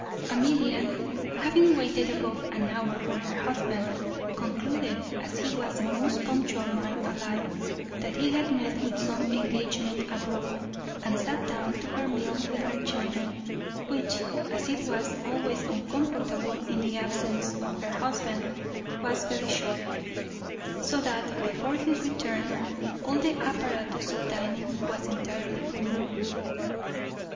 _ Amelia, having waited above an hour for her husband, concluded, as he was the most punctual man alive, that he had met with some engagement abroad, and sat down to her meal with her children; which, as it was always uncomfortable in the absence of her husband, was very short; so that, before his return, all the apparatus of dining was entirely removed.